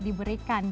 jika terlalu banyak